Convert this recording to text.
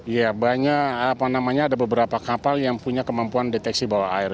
ya banyak apa namanya ada beberapa kapal yang punya kemampuan deteksi bawah air